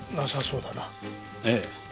ええ。